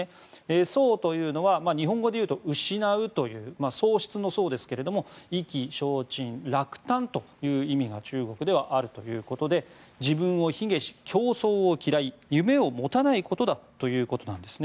喪というのは日本語で言うと失うという喪失の喪ですが意気消沈、落胆という意味が中国ではあるということで自分を卑下し、競争を嫌い夢を持たないことだということです。